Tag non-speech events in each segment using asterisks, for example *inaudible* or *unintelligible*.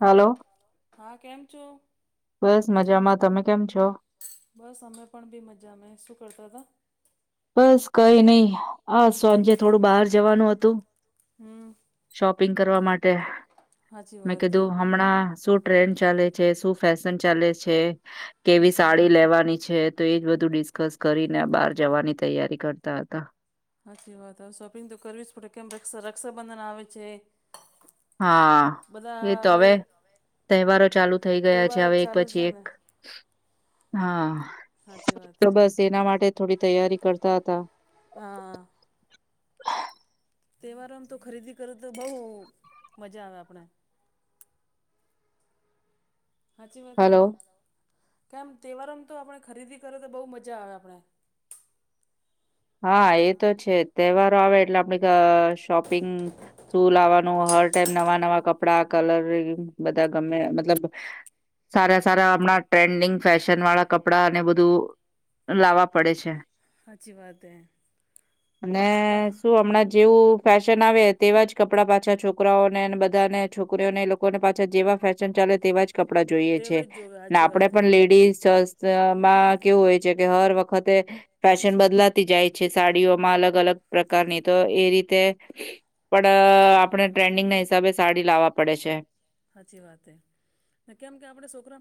હાલો હા કેમ છો બસ મજામાં તમે કેમ છો. બસ અમે પણ બી મજા મે શું કરતા હતા. બસ કઈ નહી હા સાંજે થોડું બહાર જવાનું હતું. હમ શોપિંગ કરવા માટે સાચી મેં વાત હે કીધું. હમણાં શું ટ્રેન્ડ ચાલે છે શું ફેશન ચાલે છે. કેવી સાચી વાત સાડી લેવાની છે તો એજ બધું ડિસ્કસ કરીને બહાર જવાની તૈયારી કરતા હતા. સાચી વાત હ શોપિંગ તો કરવી જ પડ કેમ રક્ષાબંધન આવે છે. હા એ તો બધાવે. હવે તહેવારો ચાલુ થઈ ગયા છે હવે એક છે પછી એક ને હા સાચી વાત તો હે બસ એના માટે થોડી તૈયારી કરતા હતા. હા. તહેવારો આમ તો ખરીદી કરું તો બહુ મજા આવે આપણે સાચી વાત જ હલો નહીં કેમ તહેવારોમ તો આપણે ખરીદી કરે તો બહુ મજા આવે આપણે હા એ તો છે તહેવારો આવે એટલે ગ આપણે શોપિંગ શું લાવવાનું હર ટાઈમ નવા નવા કપડા કલરંગ બધા ગમે મતલબ સારા સારા હમણાં ટ્રેન્ડિંગ ફેશન વાળા કપડા ને બધું. લાવવા પડે છે. સાચી વાત. તો તા અને શું હમણાં જેવું ફેશન આવે તેવા જ કપડાં પાછા છોકરાઓને બધાને છોકરીઓને લોકોને પાછા જેવા ફેશન ચાલે તેવા જ કપડાં જોઈએ છે તહેવાર જ જોવે ને સાચી આપડે વાત હે પણ લેડીઝ દઅમાં કેવું હોય છે કે હર વખતે ફેશન બદલા સાડીઓમાં અલગ અલગ પ્રકારની તો એ રીતે પણ આપણે ટ્રેન્ડિંગ ના હિસાબે સાડી લાવવા પડે છે. સાચી વાત હ કેમ કે આપડ છોકરા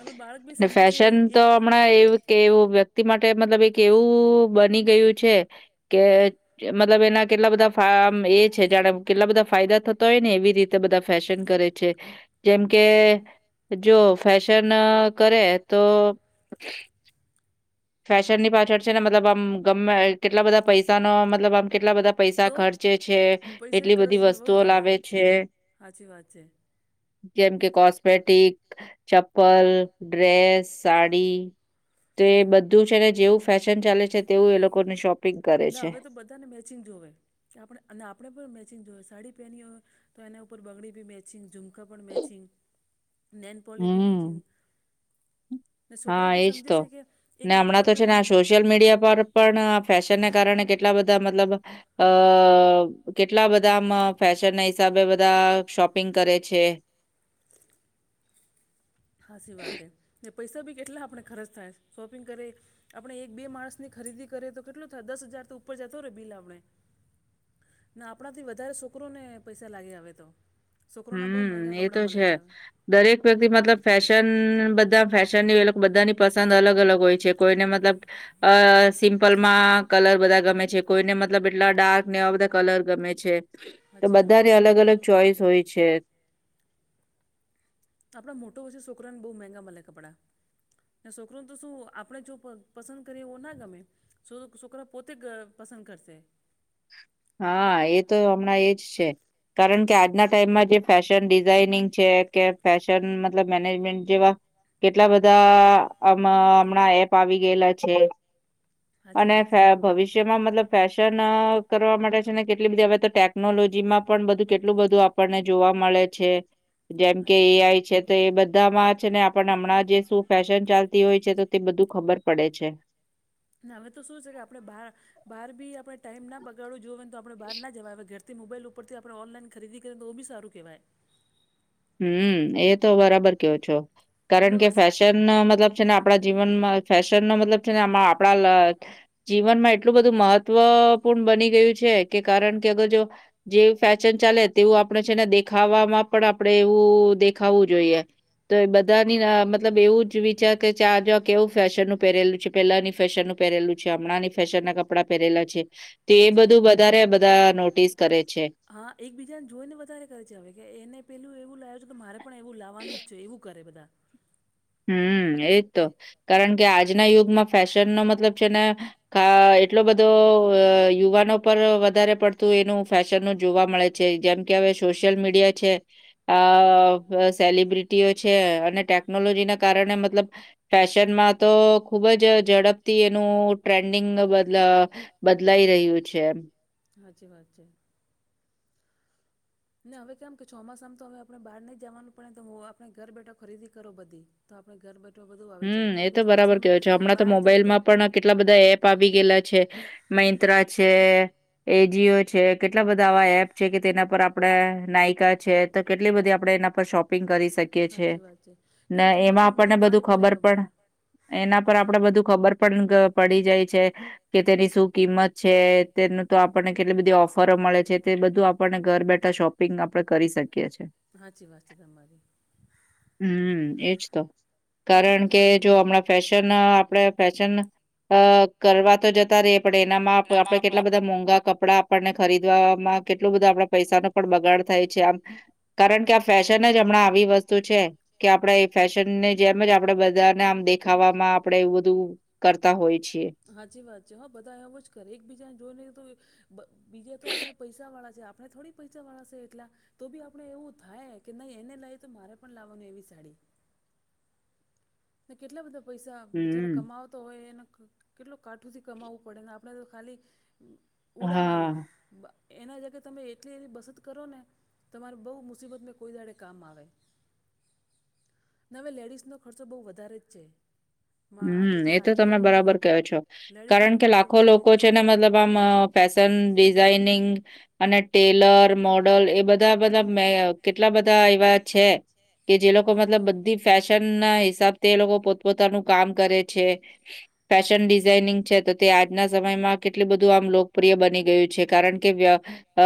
અવે બાળક બી ને સમજે છે ફેશન તો એક હમણાં એવું કે વ્યક્તિ માટે મતલબ એક એવું બની ગયું છે કે મતલબ એના કેટલા બધા ફાર્મ એ છે જાણે કેટલા બધા ફાયદા થતા હોય ને એવી રીતે. બધા ફેશન કરે છે જેમ કે જો ફેશન કરે તો ફેશન ની પાછળ છે ને મતલબ આમ ગમે કેટલા બધા પૈસા ન મતલબ આમ કેટલા બધા પૈસા તો ખર્ચે છે પૈસા એ એટલી ખર્ચ બધી બહુ વસ્તુઓ થાય લાવે છે. સાચી વાત છે જેમ કે કોસ્મેટિક ચપ્પલ ડ્રેસ સાડી તે બધું. તું છે ને જેવું ફેશન ચાલે છે તેવું એ લોકોને શોપ ના હવે તો બધાને મેચિંગ જોવે આપણે અને આપણે પણ મેચિંગ જોએ સાડી પહેની હોય. તો એના ઉપર બગડી બી મેચિંગ ઝુમકા પણ મેચિંગ નેનપોલી બી મેચિંગ હમ્મ. સોકરા હા, ભી એજ સમજે તો. છે કે એક ને વખત હમણાં તો છે આપણે ને આ મ સોશિયલ મીડિયા પર પણ ફેશનને કારણે કેટલા બધા મતલબ, અ કેટલા બધામાં ફેશનના હિસાબે બધા શોપિંગ કરે છે ખાસી વાત હે, પૈસા બી કેટલા આપણે ખર્ચ થાય શોપિંગ કરીએ આપણે એક બે માણસની ખરીદી કરીએ તો કેટલું થાય, દસ હજાર તો ઉપર જતો રે બિલ આપણે ના આપણા થી વધારે સોકરો ને પૈસા લાગે હવે તો સોકરોના બહુ હમ મહેંગા એ તો કપડા મલે છે હવે દરેક વ્યક્તિ મતલબ ફેશન, બધા ફેશનની એલોક બધાની પસંદ અલગ અલગ હોય છે કોઈને મતલબ, અ સિમ્પલમાં કલર બધા ગમે છે, કોઈને મત લબ એટલા ડાર્ક ને આવા બધા કલર ગમે છે તો સાચી વાત બધાને અલગ અલગ ચોઈસ હોય છે આપણા મોટો હોય છેે સોકરાને બહુ મહેંગા મલે કપડાં ને સોકરોને તો સુ આપણેે જો પ પસંદ કરીએ, એવુ ના ગમે. સો, સોકરા પોતે ક પસંદ કરસે હા, એ તો હમણાં એજ છે, કારણ કે આજના ટાઈમમાં જે ફેશન ડિઝાઇનિંગ છે, કે ફેશન મતલબ મેનેજમેન્ટ જેવા કેટલા બધા આમાં હમણાં એપ આવી ગયેલા છે, સાચી અને વાત છે ફે ભવિષ્યમાં, મતલબ ફેશન કરવા માટે છે ને કેટલી બધી હવે તો ત ટેકનોલોજીમાં પણ બધું કેટલું બધું આપણને જોવા મલે છે, જેમ કે સાચી એ વાત આઈ છે તો એ બધામાં છે ને, આપણને હમણાં જે સુ ફેશન ચાલતી હોય છે, તો તે બધું ખબર પડે છે. અને હવે તો શું છે કે આપણે બહાર, બહાર બી આપણે ટાઈમ ના બગાડવો જોવને તો આપણે બહાર ના જવાય હવે ઘર થી મોબાઈલ ઉપરથી, આપણે ઓનલાઈન ખરીદી કરીએ તો બી સારું કહેવાય હમ, એ તો બરાબર કેવો છો, અમે કારણ કે વરસા ફેશન મતલબ છે ને આપણા જીવનમાં ફેશન નો મતલબ છે ને, આપણા લ, જીવનમાં એટલું બધું મહત્વપૂર્ણ બની ગયું છે કે કારણ કે અગર જો જે ફેશન ચાલે તેવું આપણે છેને દેખાવામાં પણ આપ આપડે એવું દેખાવું જોઈએ તો એ બધ ધાની રાહ મતલબ એવું જ વિચાર કે આ જોવો કેવું ફેશનનું પહેરેલું છે! પેલાની ફેશનનું પહેરેલું છે, હમણાંની ફેશનના કપડા પહેરેલા છે, તો એ હાચી વાત બધું છે. વધારે બધા નોટિસ કરે છે. હા, એકબીજાને જોઈને વધારે કરે છે હવે, કે એને પેલું એવું લાયો છે કે મારે પણ એવું લાવવાનું જ છે. એવું કરે બધા હમ, એજ તો. કારણ કે આજના યુગમાં ફેશન નો મતલબ છે ને કા એટલો બધો, અ યુવાનો પર વધારે પડતું એનું ફેશનનું જોવા મળે છ છે, જેમ કે હવે સોશિયલ મીડિયા છે, સેલબ્રિટીઓ છે અને ટેકનોલોજીના કારણે, મતલબ, ફેશનમાં તો ખુબ જ ઝડપથી એનું ટ્રેન્ડિંગ બદલ બદલાઈ રહ્યું છે હાચી વાત છે ને હવે કેમ કે ચોમાસામ તો હવે આપણે બહાર નહીં જવાનું, પણ એમ તો આપણે ઘર બેઠા ખરીદી કરો બધી તો આપણે ઘર બેઠું બધું આવી જાય, હમ્મ. કેમ એ કે તો બરાબર ચોમાસા મે કહો છો. હમણાં બહાર જઈએ તો *unintelligible* મોબાઈલમાં પણ કેટલા બધા એપ આવી ગેલા છે, હમ. મૈંત્રા છે, એજિયો છે, કેટલા બધા આવા એપ છે કે તેના પર આપ આપડે નાયકા છે, તો કેટલી બધી આપડે એના પર સોપિંગ કરી શકી કીએ છે સાચી વાત ને કેમ એમાં ચોમાસામાં આપણને બધું પાણી ખબર ભરેલો પણ બહાર એના પર આપડે બધું ખબર પણ ગ પડી જાય છે કે તેની શું કિંમત છે, તેનું તો આપણને કેટલી બધી ઓફરો મળે છે, તે બધું આપણને ઘર બેઠા શોપ પિંગ આપડે કરી સકીએ છીએ. સાચી વાત છે તમારી હમ, એજ તો. ને આપણે કારણ કે, જો ખ- હમણાં ફેશન, આપણે ફેશન કરવા તો જતા રહિ પણ એનામાં આપણે કેટલા બધા મોંઘા કપડા આપણને ખરીદવામાં, કેટલો બધો આપણા પૈસાનો પણ બગાડ થાય છે આમ કારણ કે આ ફેશન જ હમણાં આવી વસ્તુ છે, કે આપણે એ ફેશનને *unintelligible* આપડે બધાને આમ દેખાવામાં આપડે એવું બધું કરતા હોય છીએ. હાચી વાત છે. હા બધા એવું જ કરે. એક બીજાને જોઈ ને તો બ બીજે તો આપણે પૈસા વાળા છે. આપણે થોડી પૈસા વાળા છે એટલા, તો બી આપડે એવું થાય કે, નહીં એને લાઈ તો મારે પણ લાવવાની એવી સાડી. ને કેટલા બધા પૈસા બિચારા હમ્મ. કમાવ તો હોય એને કેટલો કાઠુંથી કમાવવું પડે, ને આપણે તો ખાલી હા. ઉડાવવાના, એના જગ્યા તમે એટલી એની બસત કરો ને તમારે બહુ મુસીબત મે કોઈ દાડે કામ આવે. ને હવે લેડીસનો ખ ર્ચો બહુ વધારે જ છે. માં હમ્મ. એ બિચારા તો તમે આદમીઓને નહીં બરાબર કહો છો. લેડીઝનો કારણ તો કે, ખર્ચો લાખો વધારે લોકો જ છે ને મતલબ આમ ફેશન ડિઝાઇનિંગ અને ટેલર, મોડલ એ બધા-બધા મે કેટલા બધા એવા છે કે જે લોકો અચ્છા. મતલબ બધી ફેશન ના હિસાબથી, એ લોકો પોતપોતાનું કામ કરે છે. ફેશન ડિઝાઇનિંગ છે, તો તે આજના સમયમાં કેટલું બધું આમ લોકપ્રિય બની ગયું છે. કારણ કે વ્ય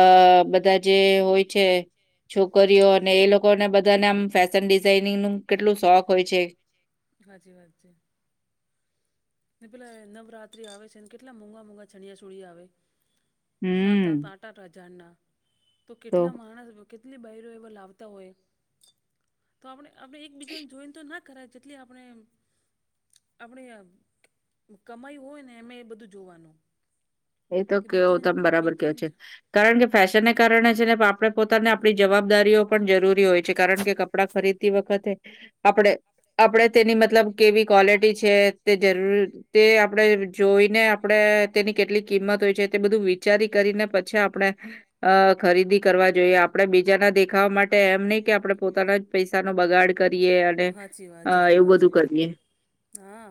અહ બધા જે હોય છે છોકરીઓ અને એ લોકોને બધાને આમ ફેશન ડિઝાઇનિંગ નું કેટલું શોખ હોય છે હાચી વાત છે. ને પેલા નવરાત્રી આવે છે ને, કેટલા મોંઘા-મોંઘા ચણીયા ચોળી આવે, સાત, આત, હમ્મ. આઠ ઠ હજાર ના, તો કેટલા માણસ કેટલી બાયરી એવા લાવતા હોય, તો આપણે-આપણે એકબીજાને જોઈને તો નાજ કરા જેટલી આપણે એમ આપણે આમ કમાયું હોય ને, એમે એ બધું જોવાનું. એ તો કે કેવો બીજા તમે બરાબર ક્યો બીજા છે. કારણ કે ફેશનને કારણે છે *unintelligible* આપણે પોતાને આપણી જવાબદારીઓ પણ જરૂરી હોય છે. કારણ કે કપડા ખરીદતી વખતે આપણે-આપણેે તેની મતલબ કેવી ક્વલિટી છે તે જરૂર તે આપણેે જોઈને આપણે તેની કેટલી કિંમત હોય છે, તે બધું વિચારી કરીને પછી આપણે અહ ખરીદી કરવા જોઈએ. આપણે બીજાના દેખાવા માટે એમ નહીં કે આપડે પોતાના જ પૈસાનો બગાડ કરીએ અને સાચી વાત છે અહ એવું તમારી બધું કરીએ. હા.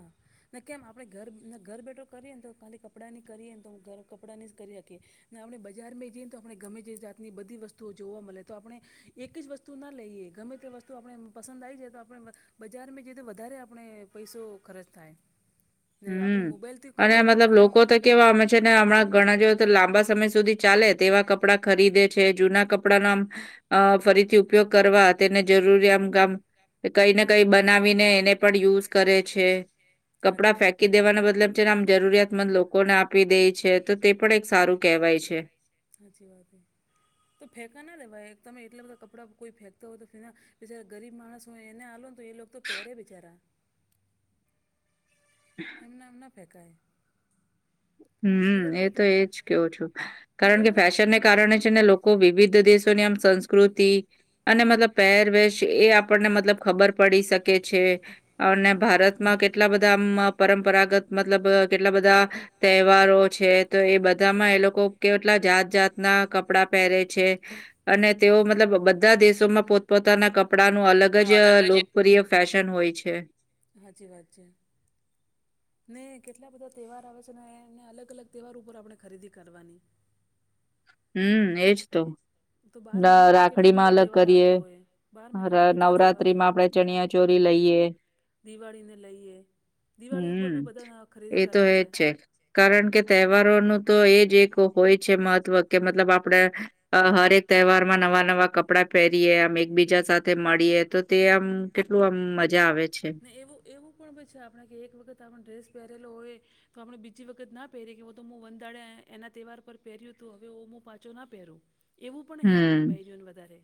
ને કેમ આપણેે ઘર-ઘર બેઠો કરીએને તો, ખાલી કપડાં કરીએ તો ઘર કપડાં ની જ કરી રાખી. ને આપણે બજાર માં જઈએને તો, આપણે ગમે જાતની બધી વસ્તુઓ જોવા મલે. તો આપણે એક જ વસ્ તુ ના લઈએ, ગમે તે વસ્તુ આપણે એમ પસંદ આઈ જાય તો આપણે બજારમાં જઈ તો વધારે આપણે પૈસો ખર્ચ થાય. ને હમ્મ. આપણે મોબાઈલથી અને કરો ને તો મતલબ ખાલી લોકો *unintelligible* કેવા અમે છે ને હમણાં ઘણા જોઈએ તો લાંબા સમય સુધી ચાલે તેવા કપડાં ખરીદે છે, જૂના કપડા ના આમ અહ ફરી થ થી ઉપયોગ કરવા, તેને જરૂરીયા આમ કામ કે કંઈ ને કંઈ બનાવીને એને પણ યુઝ કરે છે. કપડા સાચી ફેંક વાત છે. કી દેવાનો મતલબ છે ને આમ જરૂરિયાતમંદ લોકોને આપી દેય છે. તો તે પણ એક સારું કહેવાય છે. હાચી વાત હે. તો ફેંકા ના દેવાઈ, તમે એટલા બધા કપ કપડા કોઈ ફેંકતો હોય તો *unintelligible* બિચારા ગરીબ માણસ હોય એને આલો ને તો એ લોક તો પહેરે બિચારા. એમના એમ ના ફેંકાય. ને હમ્મ. તમે એ તો એટલ એજ કયો છો. ને કારણ કે એવું ફેશનને કારણે છે ને લોક કો વિવિધ દેશોની આમ હમ. સંસ્કૃતિ અને મતલબ પહેરવેશ એ આપણને મતલબ ખબર પડી શકે છે, અને ભારત માં કેટલા બધા આમ પરંપરાગત મતલબ કેટલા બધા તહેવારો છે, તો એ બધામાં એ લોકો કેટલા જાત-જાતના કપડા પહેરે છે. અને તેઓ મતલબ બધા દેશોમાં પોતપોતાના કપડાં નું અલગ જ લોકપ્રિય ફેશન હોય છે. હાચી વાત છે ને કેટલા બધા તહેવાર આવે છે નેને અલગ અલગ તહેવાર ઉપર આપણે ખરીદી કરવાની હમ એજ તો તો બાર ડ મહિનામાં તો કેટલા રાખડી માં બધા અલગ તહેવાર કરીએ આવતા હોય બાર મહિનામાં તો કેટલા તહેવાર નવરાત્રી માં આપડે ચણિયા ચોરી લઈએ દિવાળી ને લઈએ દિવાળી ઉપર હમ બી બધા ખરીદી એ તો કરે જ એજ છે કારણ કે તહેવારોનું તો એજ એક હોય છે મહત્વ કે મતલબ આપડે અ હરેક તહેવાર માં નવા નવા કપડાં પેરીએ આમ એકબીજા સાથે મળીએ તો તે આમ કેટલું આમ મજા આવે છે ને એવું એવું પણ પછી આપણે કે એક વખત આપણે ડ્રેસ પેરેલો હોય તો આપણે બીજી વખત ના પહેરી કે તો વંદાડ એના તહેવાર પર પહેર્યું હતું હવેું પાછો ના પહેરું એવું પણ હૈ આપણે હમ બેયરીઓને વધારે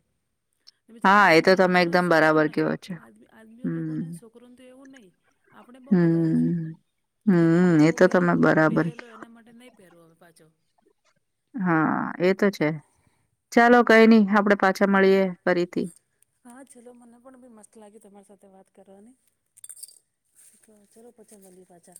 હા બીચારા એ આદમી તો તમે લોકોને એકદમ છોકરોને બરાબર નહી કયો છો આદમીઓ લોકોને હમ છોકરોને તો એવું નહી આપણે બહુ વધારે છે હમ એવું કે નહી મેંત હમ તો એ પહેરો તમે બરાબર કી- પેરેલો એના માટે નહીં પેરુ હવે પાછો હા એ તો છે ચાલો કઈ નઈ આપડે પાછા મળીએ ફરીથી હા ચલો મને પણ બી મસ્ત લાગી તમારી સાથે વાત કરવાની ચાલો પછી મલીએ પાછા